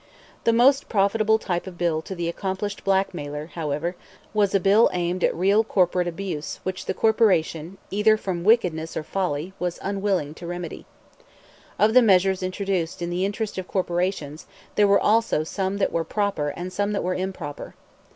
The most profitable type of bill to the accomplished blackmailer, however, was a bill aimed at a real corporate abuse which the corporation, either from wickedness or folly, was unwilling to remedy. Of the measures introduced in the interest of corporations there were also some that were proper and some that were improper.